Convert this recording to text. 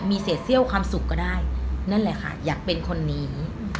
มีเศษเซี่ยวความสุขก็ได้นั่นแหละค่ะอยากเป็นคนนี้